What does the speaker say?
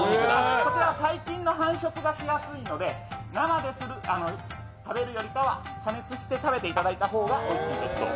こちら細菌の繁殖がしやすいので生で食べるよりかは加熱して食べていただくのがおいしいです。